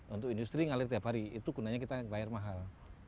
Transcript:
untuk industri ngalir tiap hari itu gunanya kita bayar mahal